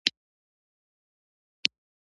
د روسیې مضر رول ته یې اشاره نه ده کړې.